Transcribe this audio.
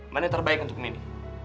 mana yang terbaik untuk mini